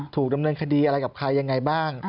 ถูกดำเนินคดีอะไรกับใครยังไงบ้าง